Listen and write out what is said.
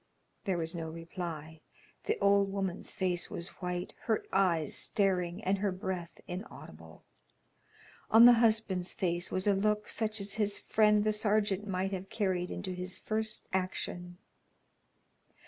There was no reply; the old woman's face was white, her eyes staring, and her breath inaudible; on the husband's face was a look such as his friend the sergeant might have carried into his first action.